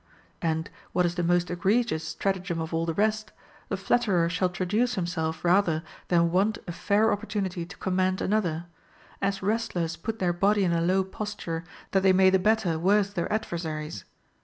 And, what is the most egregious stratagem of all the rest, the flat terer shall traduce himself rather than want a fair oppor tunity to commend another ; as wrestlers put their body in a low posture, that they may the better worst their ad versaries.